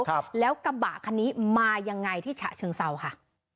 ครับแล้วกระบะคันนี้มายังไงที่ฉะเชิงเซาค่ะ